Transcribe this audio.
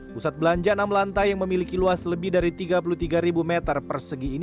pusat belanja enam lantai yang memiliki luas lebih dari tiga puluh tiga meter persegi ini